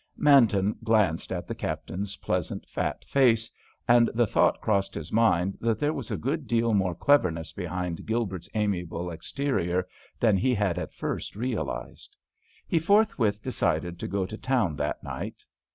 Manton glanced at the Captain's pleasant, fat face, and the thought crossed his mind that there was a good deal more cleverness behind Gilbert's amiable exterior than he had at first realised. He forthwith decided to go to town that night.